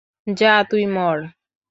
যা, তুই মর!